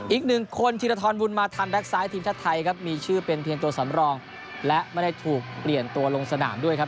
อีกหนึ่งคนธีรทรบุญมาทันแก๊กซ้ายทีมชาติไทยครับมีชื่อเป็นเพียงตัวสำรองและไม่ได้ถูกเปลี่ยนตัวลงสนามด้วยครับ